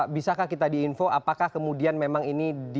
bisakah kita diinfo apakah kemudian memang ini